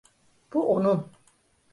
Bu onun.